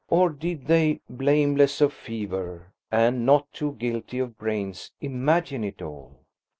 Or did they, blameless of fever, and not too guilty of brains, imagine it all?